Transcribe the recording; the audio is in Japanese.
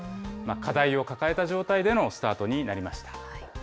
課題を抱えた状態でのスタートになりました。